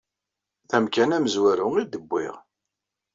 D amkan amezwaru ay d-wwiɣ.